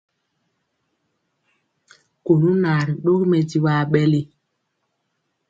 Kunu naa ri dɔgi mɛdivɔ aɓɛli.